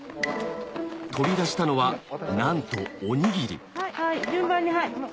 取り出したのはなんとおにぎり順番にはい。